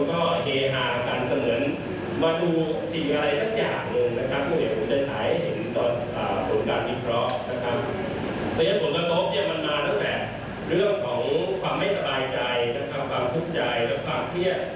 ความควายใจความทุกข์ใจความเทียด